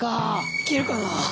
いけるかな？